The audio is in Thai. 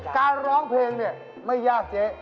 การร้องเพลงเนี่ยไม่ยากเจ๊